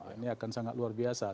ini akan sangat luar biasa